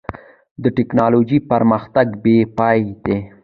د ټکنالوجۍ پرمختګ بېپای دی.